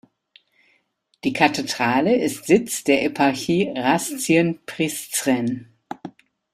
Die Kathedrale ist Sitz der Eparchie Raszien-Prizren.